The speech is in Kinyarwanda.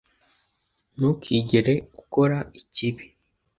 Ntukigere ukora ikibi